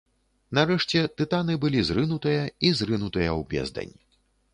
Нарэшце тытаны былі зрынутыя і зрынутыя ў бездань.